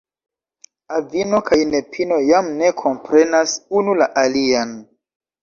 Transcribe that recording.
Avino kaj nepino jam ne komprenas unu la alian.